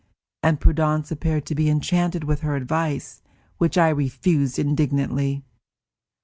And Prudence appeared to be enchanted with her advice, which I refused indignantly.